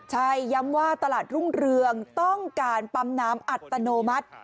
ใช่ย้ำว่าตลาดรุ่งเรืองต้องการปั๊มน้ำอัตโนมัติ